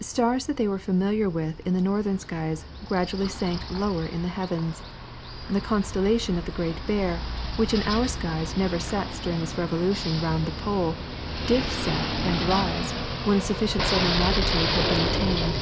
Stars that they were familiar with in the northern skies gradually sank lower in the heavens. The constellation of the Great Bear, which in our skies never sets during its revolution round the pole, did set and rise when a sufficient southern latitude had been attained.